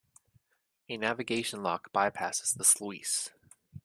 A navigation lock bypasses the sluice.